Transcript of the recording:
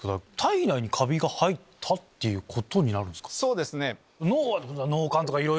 そうですね。